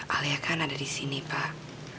alia kan ada disini pak